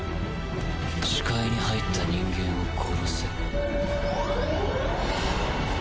視界に入った人間を殺せ。